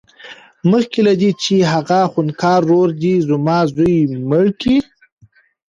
مخکې له دې چې هغه خونکار ورور دې زما زوى مړ کړي.